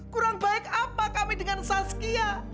kurang baik apa kami dengan sazkia